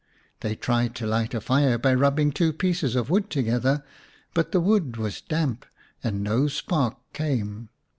They tried to light a fire by rubbing two pieces of wood together, but the wood was damp and no spark came.